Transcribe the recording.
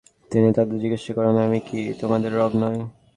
তিনি তাদের জিজ্ঞাসা করেন, আমি কি তোমাদের রব নই?